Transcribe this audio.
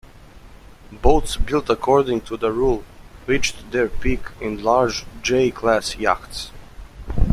Boats built according to the rule reached their peak in the large J-class yachts.